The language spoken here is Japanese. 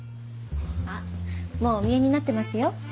もうお見えになってますよ。